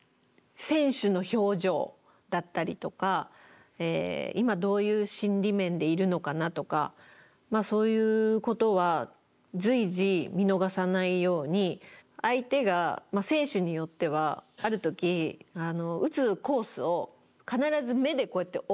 選手の表情だったりとか今どういう心理面でいるのかなとかそういうことは随時見逃さないように相手が選手によってはある時打つコースを必ず目でこうやって追うんですよね。